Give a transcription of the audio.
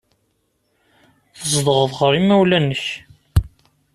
Tzedɣeḍ ɣer yimawlan-nnek.